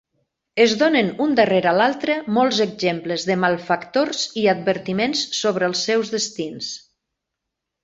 Es donen un darrere l'altre molts exemples de malfactors i advertiments sobre els seus destins.